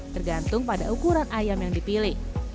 tergantung pada ukuran ayam yang dipilih